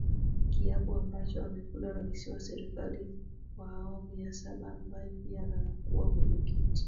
kiapo ambacho amekula rais wa serikali wa awamu ya saba ambae pia anakua mwenyekiti